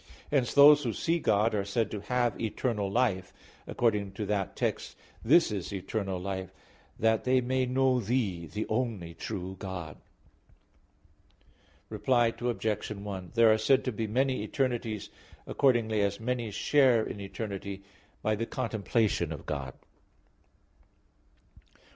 Hence those who see God are said to have eternal life; according to that text, "This is eternal life, that they may know Thee the only true God," etc. (John 17:3). Reply Obj. 1: There are said to be many eternities, accordingly as many share in eternity, by the contemplation of God.